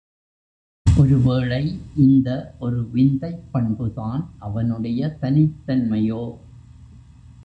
ஒரு வேளை, இந்த ஒரு விந்தைப்பண்புதான் அவனுடைய தனித் தன்மையோ?